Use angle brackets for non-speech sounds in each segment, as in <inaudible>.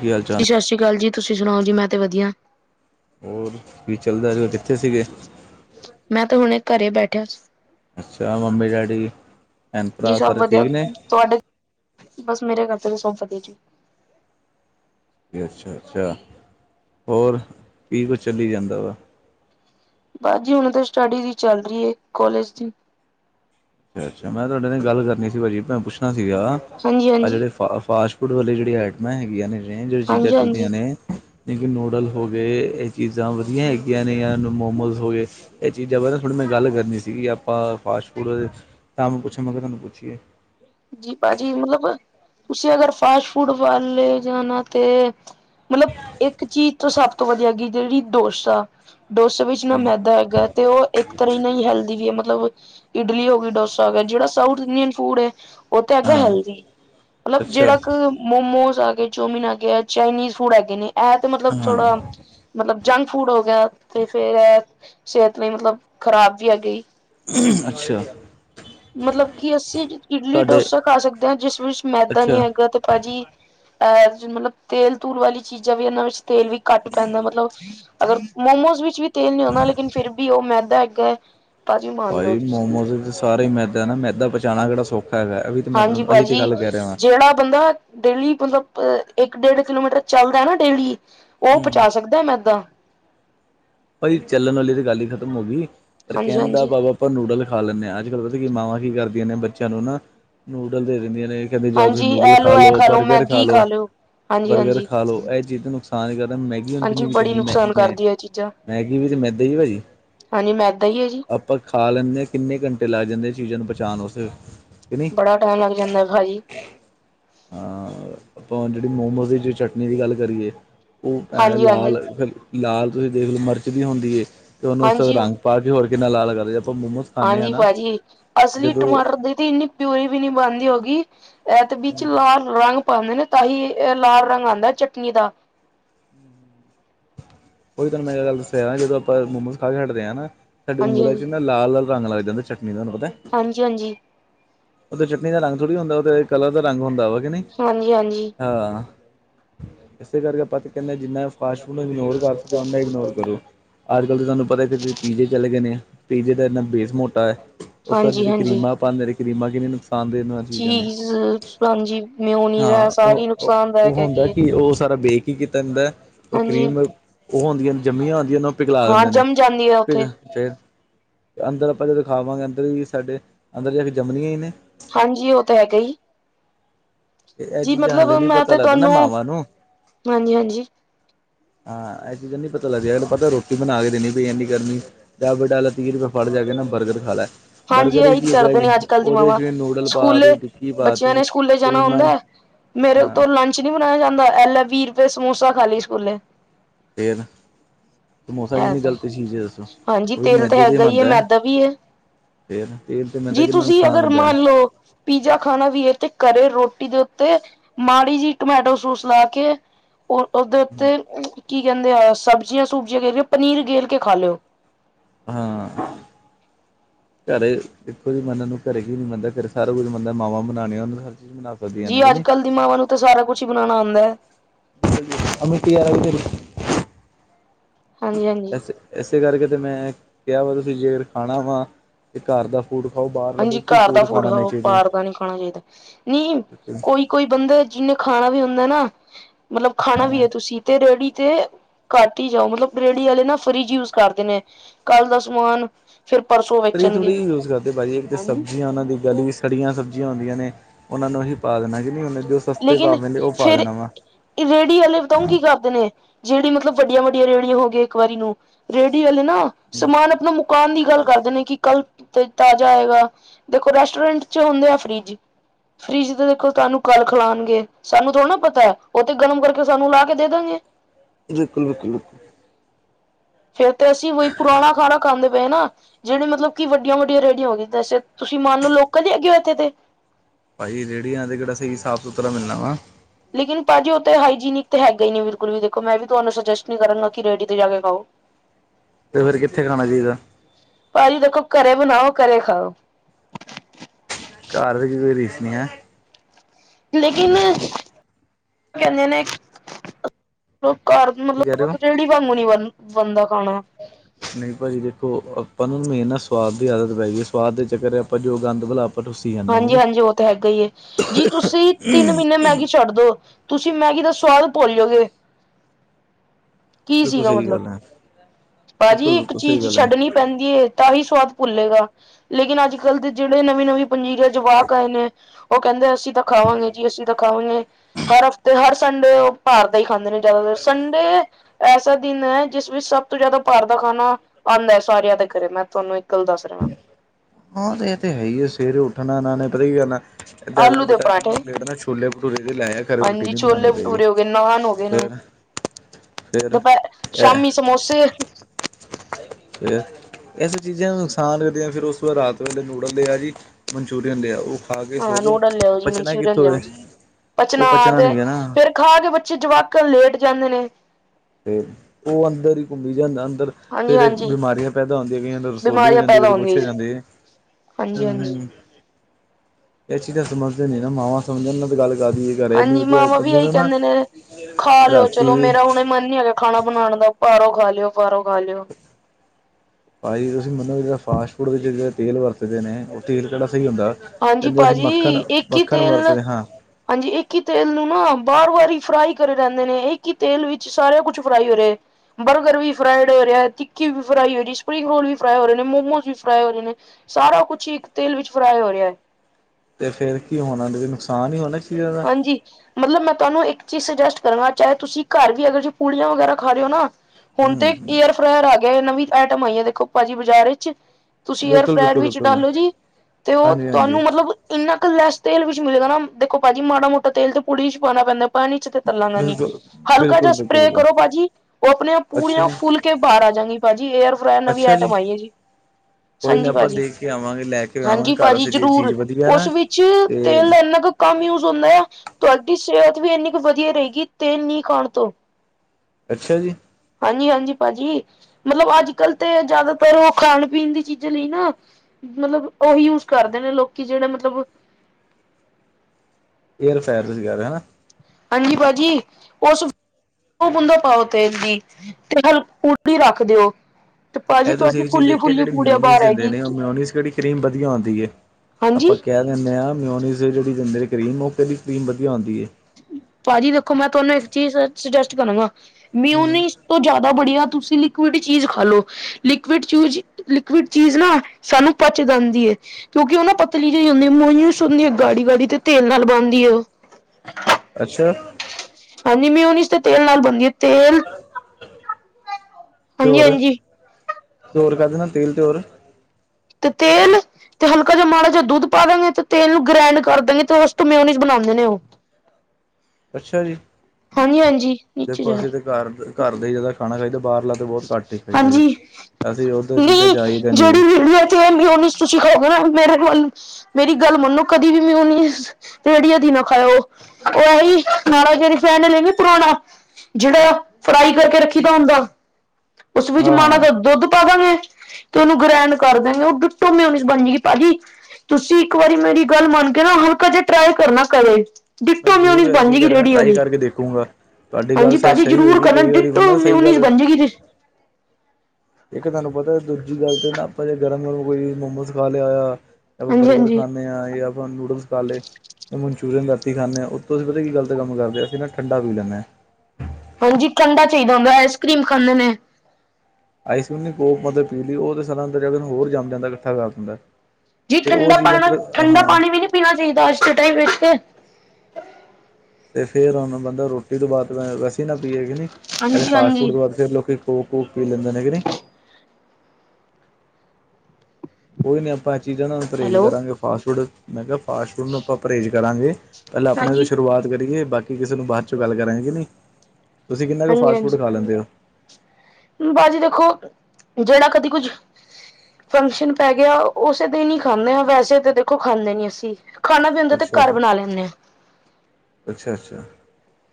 ਕੀ ਹਾਲ ਜੀ ਚਾਲ ਸਤਿ ਸ੍ਰੀ ਕਾਲ ਜੀ, ਤੁਸੀਂ ਸੁਣਾਓ ਜੀ, ਮੈਂ ਤੇ ਵਧੀਆ। ਹੋਰ ਕੀ ਚੱਲਦਾ ਪਿਆ ਕਿੱਥੇ ਸੀਗੇ? ਮੈਂ ਤੇ ਹੁਣੇ ਘਰੇ ਬੈਠਿਆ। ਅੱਛਾ ਮੰਮੀ ਡੈਡੀ, ਭੈਣ ਜੀ ਭਰਾ ਸਭ ਸਾਰੇ ਵਧੀਆ ਠੀਕ ਨੇ? ਤੁਹਾਡੇ ਬਸ ਮੇਰੇ ਘਰ ਤੇ ਸਭ ਵਧੀਆ ਜੀ। ਅੱਛਾ-ਅੱਛਾ ਹੋਰ ਕੀ ਕੁੱਛ ਚੱਲੀ ਜਾਂਦਾ ਵਾ? ਬਸ ਜੀ, ਹੁਣ ਤੇ ਸਟੱਡੀ ਦੀ ਚਲ ਰਹੀ ਏ ਕੋਲਜ ਦੀ। ਅੱਛਾ-ਅੱਛਾ ਮੈਂ ਤੁਹਾਡੇ ਨਾਲ ਗੱਲ ਕਰਨੀ ਸੀ ਭਾਜੀ ਮੈਂ ਪੁੱਛਣਾ ਸੀਗਾ ਹਾਂਜੀ ਆਹ ਹਾਂਜੀ ਜਿਹੜੇ? ਫਾ ਫਾਸਟ ਫੂਡ ਵਾਲੀ ਜੇੜੀਆਂ ਆਈਟਮਾਂ ਹੈਗੀਆਂ ਨੇ ਜ ਜਿਹੜੀਆਂ ਚੀਜ਼ਾਂ ਹਾਂਜੀ ਚਲਦੀਆਂ ਹਾਂਜੀ ਨੇ। ਇਕ ਨੂਡਲ ਹੋਗਏ ਇਹ ਚੀਜ਼ਾਂ ਵਧੀਆ ਹੈਗੀਆਂ ਨੇ ਜਾਂ ਮੋਮੋਸ ਹੋਗਏ। ਇਹ ਚੀਜ਼ਾਂ ਪਤਾ ਥੋੜੀ ਮੈਂ ਗੱਲ ਕਰਨੀ ਸੀਗੀ ਆਪਾਂ ਫਾਸਟ ਫੂਡ ਤਾਂ ਮੈਂ ਪੁੱਛਿਆ ਮੈਂ ਕਾ ਤੁਹਾਨੂੰ ਪੁੱਛੀਏ। ਜੀ ਭਾਜੀ ਮਤਲਬ, ਤੁਸੀਂ ਅਗਰ ਫਾਸਟ ਫੂਡ ਵੱਲ ਜਾਣਾ ਤੇ। ਮਤਲਬ ਇੱਕ ਚੀਜ਼ ਤਾਂ ਸਭ ਤੋਂ ਵਧੀਆ ਹੈਗੀ ਜਿਹੜੀ ਡੋਸਾ ਡੋਸੇ ਵਿੱਚ ਨਾ ਮੈਦਾ ਹੈਗਾ। ਤੇ ਓਹ ਇੱਕ ਤਰ੍ਹਾਂ ਨਾਲ ਹੈਲਦੀ ਵੀ ਮਤਲਬ ਇਡਲੀ ਹੋਗੀ ਡੋਸਾ ਹੋ ਗਿਆ ਜਿਹੜਾ ਸਾਊਥ ਇੰਡੀਅਨ ਫੂਡ ਏ। ਉਹ ਤੇ ਹੈਗਾ ਹਾਂ ਹੈਲਦੀ ਮਤਲਬ ਜਿਹੜਾ ਅੱਛਾ ਕਿ। ਮੋਮੋਸ ਆ ਗਿਆ ਚੋਮਿਨ ਆ ਗਿਆ ਚਾਈਨੀਜ਼ ਫੂਡ ਹੈਗੇ ਨੇ ਐ ਤੇ ਮਤਲਬ ਹਾਂ ਥੋੜਾ। ਮਤਲਬ ਜੰਕ ਫੂਡ ਹੋ ਗਿਆ ਤੇ ਫੇਰ ਐ ਸਿਹਤ ਲਈ ਮਤਲਬ ਖ਼ਰਾਬ ਵੀ ਆ ਗਈ। ਅੱਛਾ। ਮਤਲਬ ਕੀ ਅਸੀਂ ਇਡਲੀ ਤੁਹਾਡੇ ਡੋਸਾ ਖਾ ਸਕਦੇ ਆਂ ਜਿਸ ਵਿੱਚ ਮੈਦਾ ਨੀ ਅੱਛਾ ਹੈਗਾ ਤੇ ਭਾਜੀ। ਐ ਤੁਸੀ ਮਤਲਬ ਤੇਲ ਤੂਲ ਵਾਲੀ ਚੀਜ਼ਾਂ ਵੀ ਏਨਾਂ ਵਿੱਚ ਤੇਲ ਵੀ ਘੱਟ ਪੈਂਦਾ ਮਤਲਬ। ਅਗਰ ਮੋਮੋਸ ਵਿੱਚ ਵੀ ਤੇਲ ਨੀ ਓਨਾ ਲੇਕਿਨ ਫੇਰ ਵੀ ਓ ਮੈਦਾ ਹੈਗੈ ਭਾਜੀ ਮੰਨ ਲੋ ਭਾਈ ਤੁਸੀਂ। ਮੋਮੋਸ ਤੇ ਸਾਰੇ ਈ ਮੈਦਾ ਨਾ, ਮੈਦਾ ਪਚਾਣਾ ਕਿਹੜਾ ਸੌਖਾ ਹੈਗਾ। ਐ ਵੀ ਹਾਂਜੀ ਭਾਜੀ ਜਿਹੜਾ ਬੰਦਾ। ਡੇਲੀ ਮਤਲਬ, ਇੱਕ ਡੇਢ ਕਿਲੋਮੀਟਰ ਚੱਲਦਾ ਐ ਨਾ ਡੇਲੀ। ਉਹ ਹਮ ਪਚਾ ਸਕਦਾ ਆ ਮੈਦਾ। ਭਾਜੀ ਚੱਲਣ ਆਲੀ ਤੇ ਗੱਲ ਈ ਖ਼ਤਮ ਹੋਗੀ ਪਰ ਹਾਂਜੀ ਕਹਿਣ ਦਾ ਹਾਂਜੀ ਭਾਵ ਹੈ। ਆਪਾਂ ਨੂਡਲ ਖਾ ਲੈਂਨੇ ਆ। ਅੱਜ ਕੱਲ ਪਤਾ ਕੀ ਮਾਵਾਂ ਕੀ ਕਰਦੀਆਂ ਨੇ ਬੱਚਿਆਂ ਨੂੰ ਨਾ ਨੂਡਲ ਦੇ ਦਿੰਦੀਆਂ ਨੇ। ਕਹਿੰਦੀ ਆ, ਜਾਓ ਤੁਸੀਂ ਹਾਂਜੀ ਨੂਡਲ ਐ ਖਾ ਐ ਲੋ ਬਰਗਰ ਖਾ ਮੈਗੀ ਲੋ। ਲਿਓ ਹਾਂਜੀ ਬਰਗਰ ਹਾਂਜੀ ਖਾ ਲਉ ਐ ਚੀਜ਼ ਦਾ ਨੁਕਸਾਨ ਕਰ ਮੈਗੀ ਹੁਣ ਹਾਂਜੀ ਕਿੰਨੀ ਕੁ ਬੜੀ ਚੰਗੀ <unintelligible> ਐ। ਨੁਕਸਾਨ ਕਰਦੀ ਹੈ ਇਹ ਚੀਜ਼ਾਂ ਮੈਗੀ ਵੀ ਤੇ ਮੈਦੇ ਹੀ ਹੋਈ। ਹਾਂਜੀ ਮੈਦਾ ਹੀ ਹੈ ਜੀ ਆਪਾਂ ਖਾ ਲੈਂਦੇ ਹਾਂ ਕਿਨੇ ਘੰਟੇ ਲਗ ਜਾਦੇ ਚੀਜ਼ਾਂ ਨੂੰ ਪਚਾਉਣ ਵਾਸਤੇ। ਕਿ ਨਹੀਂ ਬੜਾ ਟਾਈਮ ਲੱਗ ਜਾਦਾ ਹੈ ਭਾਜੀ। ਹਾਂ, ਆਪਾਂ ਹੁਣ ਜਿਹੜੀ ਮੋਮੋ ਦੀ ਚਟਨੀ ਦੀ ਗਲ ਕਰੀਏ। ਉਹ ਹੈ ਹਾਂਜੀ ਹਾਂਜੀ ਲਾਲ ਫਿਰ ਲਾਲ ਤੁਸੀ ਦੇਖ ਲਓ ਮਿਰਚ ਵੀ ਹੁੰਦੀ ਹੈ। ਤੇ ਉਹਨੂੰ ਉਸ ਹਾਂਜੀ ਰੰਗ ਪਾ ਕੇ ਹੋਰ ਕਿਨਾ ਲ ਕਰਦੇ ਆਪਾਂ ਮੋਮੋਸ ਖਾਂਦੇ ਹਾਂ ਹਾਂਜੀ ਨਾ ਭਾਜੀ ਅਸਲੀ ਜਦੋਂ ਟਮਾਟਰ ਦੀ ਤੇ ਇਨੀ ਪਿਊਰੀ ਵੀ ਨਹੀ ਬਣਦੀ ਹੋਏਗੀ। ਇਹ ਤੇ ਵਿਚ ਲਾਲ ਰੰਗ ਪਾਉਦੇ ਨੇ ਤਾਹੀ ਲਾਲ ਰੰਗ ਆਉਂਦਾ ਚਟਨੀ ਦਾ। ਉਹੀ ਤੁਹਾਨੂੰ ਮੈਂ ਇਹ ਗੱਲ ਦੱਸਿਆ ਜਦੋਂ ਆਪਾ ਮੋਮੋਸ ਖਾ ਕੇ ਹਟਦੇ ਹਾਂ ਨਾ ਸਾਡੀਆਂ ਹਾਂਜੀ ਉਗਲਾ 'ਚ ਨਾ। ਲਾਲ- ਲਾਲ ਰੰਗ ਲੱਗ ਜਾਂਦਾ ਚਟਨੀ ਤੁਹਾਨੂੰ ਪਤਾ? ਹਾਂਜੀ- ਹਾਂਜੀ। ਉਹ ਤੇ ਚਟਨੀ ਦਾ ਰੰਗ ਥੋੜ੍ਹੀ ਹੁੰਦਾ ਉਹ ਤੇ ਕਲਰ ਦਾ ਰੰਗ ਹੁੰਦਾ ਵਾ ਕਿ ਨਹੀ ਹਾਂਜੀ ਹਾਂਜੀ ਹਾਂ। ਇਸੇ ਕਰਕੇ ਆਪਾਂ ਕਹਿਦੇ ਜਿਨਾ ਫਾਸਟ ਫੂਡ ਨੂੰ ਇਗਨੋਰ ਕਰ ਸਕਦੇ ਓਨਾ ਹੀ ਇਗਨੋਰ ਕਰੋ। ਅਜ ਕਲ ਤਾਂ ਤੁਹਾਨੂੰ ਪਤਾ ਹੈ। ਕਿ ਜੇ ਪੀਜੇ ਚਲੇ ਗਏ ਨੇ, ਪੀਜੇ ਦਾ ਇਨਾ ਬੇਸ ਮੋਟਾ ਹੈ। ਉਹ ਸਰ ਜਿਹੜੀ ਹਾਂਜੀ-ਹਾਂਜੀ। ਕਰੀਮਾਂ ਪਾਉਦੇ ਨੇ ਕਰੀਮਾਂ ਕਿਹ ਖਾਂਦੇ ਉਹ ਚੀਜਾ ਨੇ ਚੀਜ਼, ਸਪੰਜੀ, ਮਿਊਨੀਜ਼ ਹਾਂ ਹੈ ਸਾਰੀ ਉਹ- ਉਹ ਨੁਕਸਾਨਦਾਇਕ ਹੁੰਦਾ ਹੈਗੀ ਏ। ਕਿ ਉਹ ਸਾਰਾ ਬੇਖ ਕੀ ਕੀਤਾ ਜਾਂਦਾ ਉਹ ਹਾਂਜੀ, ਕਰੀਮ ਉਹ ਹੁੰਦੀਆਂ ਜੰਮੀਆਂ ਆਉਦੀਆਂ ਨੇ ਉਹ ਪਿਘਲਾ ਹਾਂ ਦਿੰਦੇ ਨੇ ਜੰਮ ਜਾਂਦੀ ਹੈ ਫਿਰ- ਉੱਥੇ। ਫਿਰ ਅੰਦਰ ਆਪਾ ਜਦੋਂ ਖਾਵਾਂਗੇ ਅੰਦਰ ਹੀ ਸਾਡੇ ਅੰਦਰ ਜਾ ਕੇ ਜੰਮਦੀਆਂ ਹੀ ਨੇ ਹਾਂਜੀ ਉਹ ਤਾਂ ਹੈਗਾ ਹੀ। ਇਹ ਜੀ ਚੀਜ਼ਾਂ ਮਤਲਬ ਹਾਲੇ ਨਹੀਂ ਮੈਂ ਪਤਾ ਤੇ ਲੱਗਦਾ ਨਾ ਤੁਹਾਨੂੰ, ਮਾਵਾਂ ਨੂੰ ਹਾਂਜੀ- ਹਾਂਜੀ- ਹਾਂ ਇਹ ਚੀਜ਼ਾਂ ਨੀ ਪਤਾ ਲਗ ਪਤਾ ਰੋਟੀ ਬਣਾ ਕੇ ਦੇਣੀ ਪਈ ਇੰਨੀ ਗਰਮੀ ਜਾ ਬਟਾਲਾ, ਤੀਹ ਰੁਪਏ ਫੜ ਜਾ ਕੇ ਨਾ ਬਰਗਰ ਖਾ ਲੈ ਹਾਂਜੀ, ਬਰਗਰ ਵਿੱਚ ਇਹੀ ਤੇ ਕੀ ਹੈਗਾ ਕਰਦੀਆਂ ਨੇ ਜੀ ਅਜ-ਕਲ ਦੀ ਉਹਦੇ ਮਾਵਾਂ ਚ ਨੂਡਲ ਪਾ ਸਕੂਲੇ, ਤੇ ਟਿੱਕੀ ਬੱਚਿਆਂ ਪਾਤੀ ਨੇ ਸਕੂਲੇ ਜਾਣਾ ਕਰੀਮਾਂ ਹੁੰਦਾ ਹੈ। ਮੇਰੇ ਹਾਂ ਤੋਂ ਲੰਚ ਨੀ ਬਣਾਇਆ ਜਾਦਾ, ਐ ਲੈ ਵੀਹ ਰੁਪਏ ਸਮੋਸਾ ਖਾ ਲਈ ਸਕੂਲੇ ਫਿਰ- ਸਮੋਸਾ ਐ ਕਿੰਨੀ ਤੇ, ਗ਼ਲਤ ਚੀਜ ਹੈ ਦਸੋ, ਹਾਂਜੀ ਉਹ ਵੀ ਤੇਲ ਤਾਂ ਮੈਦੇ ਤੇ ਹੈਗਾ ਹੀ ਬਣਦਾ ਹੈ। ਮੈਦਾ ਵੀ ਫੇਰ- ਫੇਰ ਤੇ ਮੈ ਜੀ ਤਾਂ ਕਿੰਨਾ ਤੁਸੀਂ ਨੁਕਸਾਨ ਅਗਰ ਹੁੰਦਾ ਮੰਨ ਲਓ ਪੀਜ਼ਾ ਖਾਣਾ ਵੀ ਇਹ ਤੇ ਕਰੇ ਰੋਟੀ ਦੇ ਉਤੇ ਮਾੜੀ ਜੀ ਟਮੈਟੋ ਸੋਸ ਲਾ ਕੇ ਉਹ ਉਹਦੇ ਉਤੇ ਕੀ ਕਹਿਦੇ ਆ ਸਬਜ਼ੀਆਂ ਸੁਬਜ਼ੀਆਂ ਗੇਰਕੇ ਪਨੀਰ ਗੇਰ ਕੇ ਖਾ ਲਿਓ ਹਾਂ- ਘਰੇ ਦੇਖੋ ਜੀ ਬਨਣ ਨੂੰ ਘਰੇ ਕੀ ਨੀ ਬਣਦਾ ਘਰੇ ਸਾਰਾ ਕੁਝ ਬਣਦਾ ਮਾਵਾਂ ਬਣਾਉਣੀਆਂ ਉਹ ਜੀ, ਅਜ ਕਲ ਦੀ ਮਾਵਾਂ ਨੂੰ ਤਾਂ ਸਾਰਾ ਕੁਛ ਹੀ ਬਣਾਉਣਾ ਆਉਦਾ ਹੈ। ਅਂ ਤਿਆਰ ਹੋ <unintelligible> ਹਾਂਜੀ- ਹਾਂਜੀ- ਤੇ ਇਸੇ ਕਰਕੇ ਤਾਂ ਮੈ ਕਿਹਾ ਵਾ ਤੁਸੀ ਜੇਕਰ ਖਾਣਾ ਵਾ ਤੇ ਘਰ ਦਾ ਫੂਡ ਖਾਓ ਬਾਹਰ ਹਾਂਜੀ, ਘਰ ਦਾ ਫੂਡ ਖਾੳ ਬਾਹਰ ਦਾ ਨਹੀ ਖਾਣਾ ਚਾਹੀਦਾ ਨਹੀ ਕੋਈ ਕੋਈ ਬੰਦਾ ਜਿਹਨੇ ਖਾਣਾ ਵੀ ਹੁੰਦਾ ਨਾ ਮਤਲਬ ਖਾਣਾ ਵੀ ਹੈ। ਤੁਸੀ ਤੇ ਰੇਹੜੀ ਤੇ ਘੱਟ ਹੀ ਜਾਓ ਮਤਲਬ ਰੇਹੜੀ ਵਾਲੇ ਨਾ ਫਰਿਜ ਯੂਜ ਕਰਦੇ ਨੇ ਕਲ ਦਾ ਸਮਾਨ ਫੇਰ ਪਰਸੋਂ ਤਰੀ ਵੇਚਣਗੇ ਤੁਰੀ ਯੂਜ ਕਰਦੇ ਭਾਜੀ ਇਕ ਤੇ ਹਾਂਜੀ ਸਬਜ਼ੀਆਂ ਉਹਨਾਂ ਦੀ ਗਲੀ ਸੜੀਆਂ ਸਬਜ਼ੀਆਂ ਹੁੰਦੀਆਂ ਨੇ ਉਹਨਾਂ ਨੂੰ ਹੀ ਪਾ ਦੇਣਾ ਕਿ ਨਹੀ ਲੇਕਿਨ ਫੇਰ ਰੇਹੜੀ ਵਾਲੇ ਬਤਾਂਊ ਕੀ ਕਰਦੇ ਨੇ ਜਿਹੜੀ ਮਤਲਬ ਵੱਡੀਆਂ- ਵੱਡੀਆਂ ਰੇਹੜੀਆ ਹੋ ਗਈ ਇਕ ਵਾਰੀ ਨੂੰ ਰੇਹੜੀ ਵਾਲੇ ਨਾ ਸਮਾਨ ਆਪਣਾ ਮੁਕਾਉਣ ਦੀ ਗੱਲ ਕਰਦੇ ਨੇ ਕਿ ਕਲ- ਤੇ ਤਾਜ਼ਾ ਆਏਗਾ, ਦੇਖੋ ਰੈਸਟੋਰੈਂਟ 'ਚ ਹੁੰਦੇ ਆ ਫਰਿੱਜ, ਫਰਿੱਜ ਦੇ ਦੇਖੋ ਤੁਹਾਨੂੰ ਕੱਲ ਖੁਆਉਣਗੇ, ਸਾਨੂੰ ਥੋੜ੍ਹਾ ਨਾ ਪਤਾ ਹੈ। ਉਹ ਤੇ ਗਰਮ ਕਰਕੇ ਸਾਨੂੰ ਲਾ ਕੇ ਦੇ ਦਾਗੇ ਬਿਲਕੁਲ- ਬਿਲਕੁਲ -ਬਿਲਕਲ ਫੇਰ ਤੇ ਅਸੀ ਵੲਈ ਪੁਰਾਣਾ ਖਾਣਾ ਖਾਂਦੇ ਪਏ ਨਾ, ਜਿਹੜੀ ਮਤਲਬ ਕਿ ਵੱਡੀਆਂ-ਵੱਡੀਆਂ ਰੇਹੜੀਆਂ ਹੋ ਗਈ ਜੈਸੇ ਤੁਸੀ ਮੰਨ ਲਓ ਲੋਕਾਂ ਦੀ ਅਗੇ ਹੋ ਇਥੇ ਤੇ ਭਾਜੀ ਰੇਹੜੀਆਂ ਤੇ ਕਿਹੜਾ ਸਹੀ ਸਾਫ਼ ਸੁਥਰਾ ਮਿਲਣਾਗਾ ਲੇਕਿਨ ਭਾਜੀ ਉਹ ਤਾਂ ਹਾਈਜੀਨਿਕ ਤੇ ਹੈਗਾ ਹੀ ਬਿਲਕੁਲ ਵੀ ਦੇਖੋ ਮੈਂ ਵੀ ਤੁਹਾਨੂੰ ਸੁਜੈਸਟ ਨੀ ਕਰਾਂਗਾ ਕਿ ਰੇਹੜੀ ਤੇ ਜਾ ਕੇ ਖਾਓ <inaudible> ਤੇ ਫਿਰ ਕਿੱਥੇ ਖਾਣਾ ਚਾਹੀਦਾ ਭਾਜੀ ਦੇਖੋ ਘਰੇ ਬਣਾਓ ਘਰੇ ਖਾਓ ਘਰ ਦੀ ਕੋਈ ਰੀਸ ਨੀ ਹੈ ਲੇਕਿਨ, ਕਹਿੰਦੇ ਨੇ ਘਰ ਕੀ ਕਹਿ ਰਹੇ ਮਤਲਬ ਹੋ ਰੇਹੜੀ ਵਾਂਗੂ ਨੀ ਬ ਬਣਦਾ ਖਾਣਾ ਨਹੀਂ ਭਾਅ ਜੀ ਦੇਖੋ ਆਪਾਂ ਨੂੰ ਮੇਨ ਨਾ ਸੁਆਦ ਦੀ ਆਦਤ ਪੈ ਗਈ ਸੁਆਦ ਦੇ ਚੱਕਰ ਆਪਾਂ ਜੋ ਗੰਦ ਭਲਾ ਹਾਂਜੀ -ਹਾਂਜੀ ਉਹ ਤਾਂ ਹੈਗਾ ਹੀਈ ਹੈ, ਜੀ ਤੁਸੀਂ ਤਿੰਨ ਮਹੀਨੇ ਮੈਗੀ ਛੱਡ ਦੋ ਤੁਸੀਂ ਮੈਗੀ ਦਾ ਸੁਵਾਦ ਭੁਲ ਜਾਓਗੇ ਕੀ ਬਿਲਕੁਲ ਸੀਗਾ ਸਹੀ ਮਤਲਬ, ਗੱਲ ਹੈ, ਭਾਜੀ ਬਿਲਕੁਲ ਇੱਕ ਬਿਲਕੁਲ ਸਹੀ ਚੀਜ਼ ਗੱਲ ਹੈ। ਛੱਡਣੀ ਪੈਂਦੀ ਹੈ ਤਾਂ ਹੀ ਸਵਾਦ ਭੁੱਲੇਗਾ, ਲੇਕਿਨ ਅੱਜ ਕੱਲ੍ਹ ਦੇ ਜਿਹੜੇ ਨਵੀਂ- ਨਵੀਂ ਪੰਜੀਰੇ ਜਵਾਕ ਆਏ ਨੇ ਉਹ ਕਹਿੰਦੇ ਅਸੀਂ ਤਾਂ ਖਾਵਾਂਗੇ ਜੀ ਅਸੀਂ ਖਾਵਾਂਗੇ ਹਰ ਹਫਤੇ ਤੇ ਹਰ ਸੰਡੇ ਉਹ ਬਾਹਰ ਦਾ ਹੀ ਖਾਂਦੇ ਨੇ ਜ਼ਿਆਦਾਤਰ ਸੰਡੇ ਐਸਾ ਦਿਨ ਹੈ ਜਿਸ ਵਿੱਚ ਸਭ ਤੋਂ ਜ਼ਿਆਦਾ ਭਾਰ ਦਾ ਖਾਣਾ ਆਉਂਦਾ ਸਾਰਿਆਂ ਦੇ ਘਰੇ ਮੈਂ ਤੁਹਾਨੂੰ ਇੱਕ ਗੱਲ ਦੱਸ ਰਿਹਾ ਹਾਂ ਤੇ ਇਹ ਤੇ ਹੈ ਹੀਏ ਸਵੇਰੇ ਉੱਠਣਾ ਇਹਣਾ ਨੇ ਪਤਾ ਕੀ ਕਰਣਾ ਇਦਾਂ ਕਰ ਆਲੂ ਦੇ ਬੇਟਾ ਇਕ ਪਰਾਂਠੇ ਪਲੇਟ ਨਾ ਛੋਲੇ ਭਟੂਰੇ ਦੀ ਲੈ ਆ ਘਰੇ ਰੋਟੀ ਹਾਂਜੀ ਨੀ ਬਣਾਉਣੀ ਪਏਗੀ ਫਿਰ ਫਿਰ ਦੁਪਹਿਰ ਇਹ ਸ਼ਾਮੀ ਸਮੋਸੇ <unintelligible> ਇਸ ਚੀਜ਼ਾਂ ਨੂੰ ਨੁਕਸਾਨ ਕਰਦੀਆਂ ਫਿਰ ਉਸ ਵਾਰ ਰਾਤ ਨੂੰ ਨੂਡਲਜ਼ ਲੇ ਰਾਜੀ ਮਨਚੂਰੀਅਨ ਦੇ ਆਊ ਹਾਂ ਨੂਡਲ ਲਿਆਓ ਜੀ ਮਨਚੂਰੀਅਨ ਲਿਓ ਜੀ ਪਚਨਾ ਉਹ ਆਪ ਪਚਣਾ ਏ ਨੀ ਹੈ ਨਾ ਫਿਰ ਖਾ ਕੇ ਬੱਚੇ ਜਵਾਕ ਲੇਟ ਜਾਂਦੇ ਨੇ ਤੇ ਉਹ ਅੰਦਰ ਹੀ ਘੁੰਮੀ ਜਾਂਦਾ ਅੰਦਰ ਫਿਰ ਹਾਂਜੀ-ਹਾਂਜੀ ਬਿਮਾਰੀਆਂ ਪੈਦਾ ਹੁੰਦੀਆਂ ਪਈਆਂ ਰਸੋਲੀ ਹੋ ਬਿਮਾਰੀਆਂ ਜਾਂਦੀ ਪੈਦਾ ਕਦੇ ਹੁੰਦੀਆਂ ਕੁਛ ਹੋ ਜੀ ਜਾਂਦੀ ਹੈ। ਹਾਂਜੀ-ਹਾਂਜੀ। ਹਾਂਜੀ ਹੂ-ਹੂ ਇਹ ਚੀਜ਼ਾਂ ਸਮਝਦੇ ਨੇ ਨਾ ਮਾਵਾਂ ਸਮਝਦੇ ਤੇ ਗੱਲ ਕਰਦੀ ਘਰੇ ਇੰਨੀ ਹਾਂਜੀ ਵਧੀਆ ਮਾਵਾ ਵੀ ਬੰਦੇ ਇਹੀ ਨੂੰ ਨਾ ਕਹਿੰਦੇ ਨੇ ਖਾ ਲੋ ਚਲੋ ਰਾਤੀ ਮੇਰਾ ਹੁਣੇ ਮਨ ਨੀ ਹੈਗਾ ਖਾਣਾ ਬਣਾਉਣ ਦਾ ਬਾਹਰੋਂ ਖਾ ਲਿਓ ਬਾਹਰੋਂ ਖਾ ਲਿਓ ਭਾਜੀ ਤੁਸੀਂ ਮੰਨੋਗੇ ਜਿਹੜਾ ਫਾਸਟ ਫੂਡ ਚ ਤੇਲ ਵਰਤਦੇ ਨੇ ਤੇਲ ਕਿਹੜਾ ਸਹੀ ਹੁੰਦਾ ਹਾਂਜੀ ਕਹਿੰਦੇ ਅਸੀਂ ਭਾਜੀ ਮੱਖਣ- ਇੱਕ ਹੀ ਮੱਖਣ ਤੇਲ ਵਰਤਦੇ ਹਾਂ ਹਾਂਜੀ ਇੱਕ ਹੀ ਤੇਲ ਨੂੰ ਨਾ ਵਾਰ ਵਾਰ ਹੀ ਫਰਾਈ ਕਰੇ ਰਹਿੰਦੇ ਨੇ ਇੱਕ ਹੀ ਤੇਲ ਵਿੱਚ ਸਾਰਾ ਕੁਛ ਫਰਾਈ ਹੋ ਰਿਹਾ ਬਰਗਰ ਵੀ ਫਰਾਈਡ ਹੋ ਰਿਹਾ ਟਿਕੀ ਵੀ ਫਰਾਈ ਹੋ ਰਹੀ ਸਪਰਿੰਗ ਰੋਲ ਵੀ ਫਰਾ ਹੋ ਰਹੇ ਨੇ ਮੋਮੋਸ ਵੀ ਫਰਾਈ ਹੋ ਰਹੇ ਨੇ ਸਾਰਾ ਕੁਛ ਹੀ ਇੱਕ ਤੇਲ ਵਿੱਚ ਫਰਾਈ ਹੋ ਰਿਹਾ ਹੈ। ਤੇ ਫਿਰ ਕੀ ਹੋਣਾ ਨੁਕਸਾਨ ਹੀ ਹੋਣਾ ਚੀਜ਼ਾਂ ਦਾ ਹਾਂਜੀ ਮਤਲਬ ਮੈਂ ਤੁਹਾਨੂੰ ਇੱਕ ਚੀਜ਼ ਸੁਜੈਸਟ ਕਰਾਂਗਾ ਚਾਹੇ ਤੁਸੀਂ ਘਰ ਵੀ ਅਗਰ ਪੂੜੀਆਂ ਵਗੈਰਾ ਖਾ ਰਹੇ ਹੋ ਨਾ ਹੁਣ ਹੂੰ ਤੇ ਏਅਰ ਫਾ੍ਰਯਰ ਆ ਗਿਆ ਨਵੀਂ ਆਈਟਮ ਆਈ ਹੈ ਦੇਖੋ ਭਾਜੀ ਬਾਜ਼ਾਰ ਵਿੱਚ ਤੁਸੀਂ ਏਅਰ ਬਿਲਕੁਲ ਫ੍ਰਾਇਰ ਬਿਲਕੁਲ ਵਿੱਚ ਬਿਲਕੁਲ ਡਲੋ ਜੀ ਤੇ ਉਹ ਹਾਂਜੀ ਹਾਂਜੀ ਤੁਹਾਨੂੰ ਮਤਲਬ ਇੰਨਾ ਕੁ ਲੈਸ ਤੇਲ ਵਿੱਚ ਮਿਲੇਗਾ ਨਾ ਦੇਖੋ ਭਾਜੀ ਮਾੜਾ ਮੋਟਾ ਤੇਲ ਤੇ ਪੁੜੀ ਚ ਪਾਉਣਾ ਪੈਂਦਾ ਪਾਣੀ ਚ ਤੇ ਤਲਾਂਗਾ ਨੀ ਬਿਲਕੁਲ ਹਲਕਾ ਜਿ ਬਿਲਕੁਲ ਸਪਰੇਅ ਬਿਲਕੁਲ ਕਰੋ ਭਾਜੀ ਉਹ ਆਪਣੀਆਂ ਅੱਛਾ ਪੂਰੀਆਂ ਜੀ ਫੁੱਲ ਕੇ ਬਾਹਰ ਆ ਜਾਂਗੀ ਭਾਜੀ ਏਅਰ ਫਰਾਈ ਨਵੀ ਆਈਟਮ ਆਈ ਹੈ ਜੀ ਕੋਈ ਨਾ ਹਾਂਜੀ ਆਪਾਂ ਭਾਜੀ ਦੇਖ ਕੇ ਆਵਾਂਗੇ ਲੈ ਕੇ ਆਵਾਂਗੇ ਹਾਂਜੀ ਘਰ ਭਾਜੀ ਅਸੀਂ ਜੇ ਜ਼ਰੂਰ ਚੀਜ਼ ਵਧੀਆ ਉਸ ਨਾ ਵਿੱਚ ਤੇ ਤੇਲ ਦਾ ਇੰਨਾ ਕੁ ਕੰਮ ਯੂਜ ਹੁੰਦਾ ਆ ਤੁਹਾਡੀ ਸਿਹਤ ਵੀ ਇੰਨੀ ਕੁ ਵਧੀਆ ਰਹੇਗੀ ਤੇਲ ਨੀ ਖਾਣ ਤੋਂ <inaudible> ਅੱਛਾ ਜੀ ਹਾਂਜੀ- ਹਾਂਜੀ ਭਾਜੀ ਮਤਲਬ ਅੱਜ ਕੱਲ ਤੇ ਜ਼ਿਆਦਾਤਰ ਉਹ ਖਾਣ ਪੀਣ ਦੀ ਚੀਜ਼ਾਂ ਲਈ ਨਾ ਮਤਲਬ ਉਹੀ ਯੂਜ ਕਰਦੇ ਨੇ ਲੋਕੀ ਜਿਹੜੇ ਮਤਲਬ ਏਅਰ ਫਾਇਅਰ ਗੱਲ ਹਨਾ ਹਾਂਜੀ ਭਾਜੀ ਉਸ ਦੋ ਬੂੰਦਾ ਪਾਓ ਤੇ ਜੀ ਹਲੀ ਉਲਟੀ ਰੱਖ ਦਿਓ ਤੇ ਭਾਜੀ ਇਹ ਤੁਸੀਂ ਤੁਹਾਡੀ ਇੱਕ ਚੀਜ਼ ਫੁੱਲੀ ਦੇਖੀ ਫੁੱਲੀ ਜਿਹੜੇ ਪੂੜੀਆਂ ਮਿਊਨੀਸ ਬਾਹਰ ਦਿੰਦੇ ਹੈਗੀ ਨੇ ਉਹ ਮਿਉਨੀਸ ਕਿਹੜੀ ਕਰੀਮ ਵਧੀਆ ਆਉਂਦੀ ਹੈ ਹਾਂਜੀ ਆਪਾਂ ਕਹਿ ਕਿੰਦੇ ਮਿਓਨੀਜ਼ ਜਿਹੜੀ ਦਿੰਦੇ ਕਰੀਮ ਉਹ ਕਿਹੜੀ ਕਰੀਮ ਵਧੀਆ ਆਉਂਦੀ ਹੈ। ਭਾਜੀ ਦੇਖੋ ਮੈਂ ਤੁਹਾਨੂੰ ਇੱਕ ਚੀਜ਼ ਸੁਜੈਸਟ ਕਰਾਂਗਾ ਹੂੰ ਮਿਯੋਨਿਜ਼ ਤੋਂ ਜ਼ਿਆਦਾ ਬੜੀਆ ਤੁਸੀਂ ਲਿਕਵਿਡ ਚੀਜ਼ ਖਾ ਲੋ ਲਿਕਵਿਡ ਚੂਜ਼ ਲਿਕਵਿਡ ਚੀਜ਼ ਨਾ ਸਾਨੂੰ ਪਚ ਜਾਂਦੀ ਹੈ। ਕਿਉਂਕਿ ਉਹ ਨਾ ਪਤਲੀ ਜਿਹੀ ਹੁੰਦੀ ਮਯੋਨੀਸ ਹੁੰਦੀ ਹੈ ਗਾੜੀ ਗਾੜੀ ਤੇਲ ਨਾਲ ਬਾਉਂਦੀ ਹੈ ਉਹ ਅੱਛਾ। ਹਾਂਜੀ ਮਿਯੋਨਿਸ ਤਾਂ ਤੇਲ ਨਾਲ ਬਣਦੀ ਏ ਤੇਲ ਤੇ ਹਾਂਜੀ ਹੋਰ ਹਾਂਜੀ ਹੋਰ ਕੱਢ ਲਾ ਤੇਲ ਤੇ ਹੋਰ ਤੇ ਤੇਲ ਤੇ ਹਲਕਾ ਜਿ ਮਾੜਾ ਜਿਹਾ ਦੁੱਧ ਪਾ ਦਾਂਗੇ ਤੇਲ ਨੂੰ ਗ੍ਰੈਂਡ ਕਰ ਦਗੇ ਤੇ ਉਸ ਮਿਓਨੀਸ ਬਣਾਉਂਦੇ ਨੇ ਉਹ ਅੱਛਾ ਜੀ। ਹਾਂਜੀ-ਹਾਂਜੀ ਨੀਚੇ ਜਾ ਕਾਰ-ਕਾਰ ਦਾ ਜਿਆਦਾ ਖਾਣਾ ਖਾਦਾ ਬਾਹਰ ਲੱ ਬਹੁਤ ਘੱਟ ਹੀ ਖਾਦਾ ਜੀ, ਹਾਂਜੀ ਅਸੀਂ ਉਰ ਚੀਜ਼ਾਂ ਜਾਇਦਾ ਨਹੀਂ ਕੀ ਐ ਮਿਓਨੀਜ਼ ਤੁਸੀਂ ਖਾਓਗੇ ਨਾ ਮੇਰੇ ਕੋਲ, ਮੇਰੀ ਗੱਲ ਮੰਨੋ ਕਦੀ ਵੀ ਮਿਓਨੀਜ਼ ਤੇ ਰੇੜੀਆਂ ਦਾ ਨਾ ਖਾਓ, <unintelligible> ਜਿਹੜਾ ਆ ਫਰਾਈ ਕਰਕੇ ਰੱਖੀ ਦਾ ਹੁੰਦਾ ਉਸ ਵਿੱਚ ਜੀ ਹਾਂ ਮਾੜਾ ਹਾਂ ਜਾ ਦੁੱਧ ਪਾ ਦਾਂਗੇ ਤੇ ਉਹਨੂੰ ਗ੍ਰੈਂਡ ਕਰ ਦੇਆਂਗੇ ਉਹ ਡਿੱਟੋ ਮਿਓਨਿਸ ਬਨ ਜਾਏਗੀ ਭਾਜੀ ਤੁਸੀਂ ਇੱਕ ਵਾਰੀ ਮੇਰੀ ਗੱਲ ਮੰਨ ਕੇ ਨਾ ਹਲਕਾ ਜਿਹਾ ਟਰਾਈ ਕਰਨਾ ਕਰੇ ਬਸ ਡਿੱਟੋ ਜ਼ਰੂਰ ਮਿਊਨੀਸ ਬਣ ਐਦਕੀ ਜੇਗੀ ਕਰ ਰਹੇ ਹ ਰੇੜੀ ਟਰਾਈ ਵਾਲੀ ਕਰਕੇ ਦੇਖੂੰਗਾ ਤੁਹਾਡੀ ਗੱਲ ਹਾਂਜੀ ਸੇਦ ਭਾਜੀ ਸਹੀ ਜਰੂਰ ਹੋਏਗੀ ਕਰਨਾ ਕਈ ਵਾਰੀ ਡਿੱਟੋ ਬੰਦਾ ਸਹੀ ਮਿਊਨੀਸ ਗੱਲ ਬਣ ਜੇਗੀ ਜੀ। ਇੱਕ ਤੁਹਾਨੂੰ ਪਤਾ ਦੂਜੀ ਗੱਲ ਤੇ ਨਾ ਆਪਾਂ ਜੇ ਗਰਮ ਕੋਈ ਮੋਮੋਸ ਖਾ ਲਿਆਇਆ ਆਪਾਂ ਹਾਂਜੀ ਬਰਗਰ ਹਾਂਜੀ ਖਾਂਨੇ ਹਾਂ ਜਾਂ ਆਪਾਂ ਨੂਡਲਸ ਖਾ ਲਏ ਮਨਚੂਰੀਅਨ ਰਾਤੀ ਖਾਂਨੇ ਆਂ, ਉੱਤੋਂ ਅਸੀਂ ਪਤਾ ਕੀ ਗਲਤ ਕੰਮ ਕਰਦੇ ਆ ਅਸੀਂ ਨਾ ਠੰਡਾ ਪੀ ਲੈਂਦੇ ਹਾਂ ਹਾਂਜੀ ਠੰਡਾ ਚਾਹੀਦਾ ਹੁੰਦਾ ਆਈਸਕ੍ਰੀਮ ਖਾਂਦੇ ਨੇ ਆਈਸਕ੍ਰੀਮ ਨੀ ਕੋਕ ਮਤਲਬ ਪੀਲੀ ਉਹ ਤੇ ਸਾਰਾ ਅੰਦਰ ਜਾ ਕੇ ਉਣੁ ਹੋਰ ਜੰਮ ਜਾਂਦਾ ਕੱਠਾ ਕਰ ਦਿੰਦਾ। ਜੀ ਫਿਰ ਉਹ ਠੰਡਾ ਚੀਜ਼ ਪਾਣਾ ਅੰਦਰ ਠੰਡਾ ਹਾਂ ਪਾਣੀ ਵੀ ਨੀ ਪੀਣਾ ਚਾਹੀਦਾ ਅੱਜ ਦੇ ਟਾਈਮ ਵਿੱਚ ਤੇ ਤੇ ਫੇਰ ਹੁਣ ਬੰਦਾ ਰੋਟੀ ਤੋਂ ਬਾਅਦ ਵੈਸੀੇ ਨਾ ਪੀਏ ਕਿ ਨੀ ਇਹਦੇ ਹਾਂਜੀ ਫਾਸਟ ਹਾਂਜੀ ਫੂਡ ਤੋਂ ਬਾਅਦ ਫਰ ਲੋਕੀ ਕੋਕ ਕੂਕ ਪੀ ਲੈਂਦੇ ਹੈ ਕਿ ਨੀ ਕੋਈ ਨਹੀਂ ਆਪਾਂ ਇਹ ਚੀਜ਼ਾਂਨਾਂ ਨੂੰ ਪਰਹੇਜ਼ ਹੈਲੋ ਕਰਾਂਗੇ ਫਾਸਟ ਫੂਡ, ਮੈਂ ਕਿਹਾ ਫਾਸਟ ਫੂਡ ਨੂੰ ਆਪਾਂ ਪਰਹੇਜ਼ ਕਰਾਂਗੇ। ਪਹਿਲਾਂ ਆਪਣੇ ਤੋਂ ਹਾਂਜੀ ਸ਼ੁਰੂਆਤ ਕਰੀਏ ਬਾਕੀ ਕਿਸੇ ਨੂੰ ਬਾਅਦ ਚੋਂ ਗੱਲ ਕਰਾਂਗੇ ਨੀ ਹਾਂਜੀ-ਹਾਂਜੀ ਭਾਜੀ ਦੇਖੋ ਜਿਹੜਾ ਕਦੀ ਕੁੱਝ ਫੰਕਸ਼ਨ ਪੈ ਗਿਆ ਉਸੇ ਦਿਨ ਹੀ ਖਾਂਦੇ ਹਾਂ ਵੈਸੇ ਤਾਂ ਦੇਖੋ ਖਾਂਦੇ ਨੀ ਅਸੀਂ ਖਾਣਾ ਵੀ ਹੁੰਦਾ ਤੇ ਕਾਰ ਬਣਾ ਲੈਂਨੇ ਹਾਂ ਅੱਛਾ-ਅੱਛਾ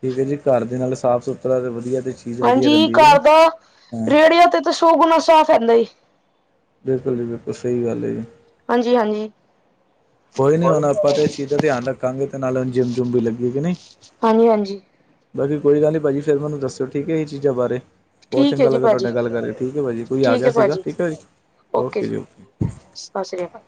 ਠੀਕ ਐ ਜੀ, ਕਾਰ ਦੇ ਨਾਲ ਸਾਫ਼ ਸੁਥਰਾ ਤੇ ਵਧੀਆ ਤੇ ਹਾਂਜੀ, ਕਾਰ ਦਾ ਰੇਹੜਿਆਂ ਤੋਂ ਤਾਂ ਸੌ ਗੁਣਾ ਸਾਫ਼ ਰਹਦਾ ਏ ਬਿਲਕੁਲ ਜੀ ਬਿਲਕੁਲ ਸਹੀ ਗੱਲ ਐ ਜੀ। ਹਾਂਜੀ-ਹਾਂਜੀ। ਕੋਈ ਨੀ ਹੁਣ ਆਪਾਂ ਤਾਂ ਇਸ ਚੀਜ਼ ਦਾ ਧਿਆਨ ਰੱਖਾਂਗੇ ਤੇ ਨਾਲ ਹੁਣ ਜਿੰਮ ਜੁਮ ਵੀ ਲੱਗੇਗੀ ਨਹੀਂ ਹਾਂਜੀ ਹਾਂਜੀ ਬਾਕੀ ਕੋਈ ਗੱਲ ਨਹੀਂ ਭਾਜੀ ਫਿਰ ਮੈਨੂੰ ਦੱਸੋ ਠੀਕ ਐ ਇਹ ਚੀਜ਼ਾਂ ਬਾਰੇ ਬਹੁਤ ਠੀਕ ਚੰਗਾ ਹੈ ਜੀ ਲੱਗਾ ਤੁਹਾਡੇ ਭਾਜੀ ਨਾਲ ਗੱਲ ਕਰਕੇ ਠੀਕ ਐ ਭਾਜੀ, ਕੋਈ ਆ ਠੀਕ ਗਿਆ ਹੈ ਸੀਗਾ ਭਾਜੀ ਠੀਕ ਐ ਜੀ ਓਕੇ ਜੀ ਓਕੇ ਸਤਿ ਸ਼੍ਰੀ ਅਕਾਲ।